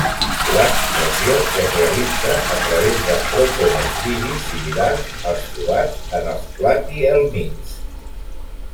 L'excreció es realitza a través de protonefridis similars als trobats en els platihelmints.